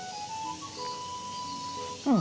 うん。